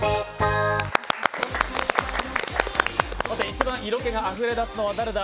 一番色気があふれ出すのは誰だ？